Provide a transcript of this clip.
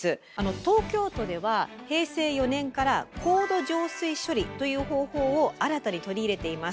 東京都では平成４年から「高度浄水処理」という方法を新たに取り入れています。